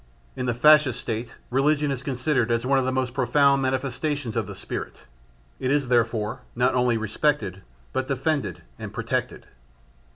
In the Fascist State religion is considered as one of the most profound manifestations of the spirit; it is therefore not only respected, but defended and protected.